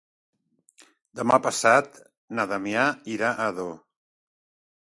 Demà passat na Damià irà a Ador.